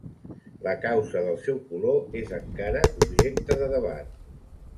La causa del seu color és encara objecte de debat.